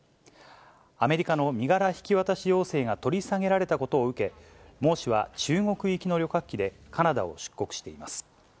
アメリカの身柄引き渡し要請が取り下げられたことを受け、孟氏は中国行きの旅客機でカナダを出国しています。